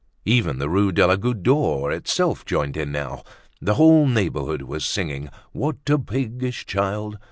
Even the Rue de la Goutte d'Or itself joined in now. The whole neighborhood was singing "What a piggish child!"